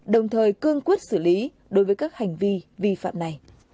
đồng thời cương quyết xử lý đối với các hành vi vi phạm này